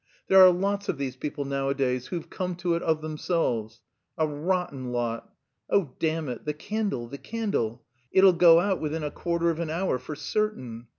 There are lots of these people nowadays 'who've come to it of themselves.' A rotten lot! Oh, damn it, the candle, the candle! It'll go out within a quarter of an hour for certain....